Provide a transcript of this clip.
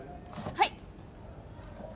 はい！